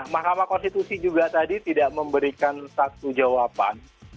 mahkamah konstitusi juga tadi tidak memberikan satu jawaban